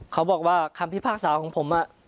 เขาบอกว่าคำพิพากษาของผม